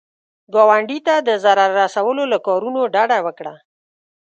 ګاونډي ته د ضرر رسولو له کارونو ډډه وکړه